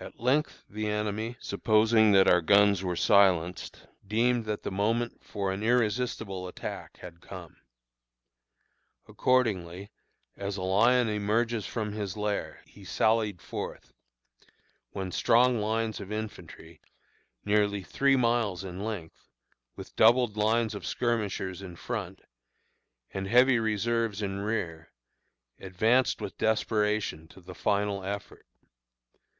At length the enemy, supposing that our guns were silenced, deemed that the moment for an irresistible attack had come. Accordingly, as a lion emerges from his lair, he sallied forth, when strong lines of infantry, nearly three miles in length, with double lines of skirmishers in front, and heavy reserves in rear, advanced with desperation to the final effort.